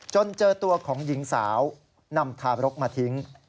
เจอตัวของหญิงสาวนำทารกมาทิ้ง